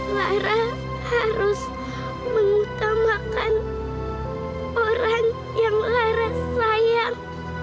lara harus mengutamakan orang yang laras sayang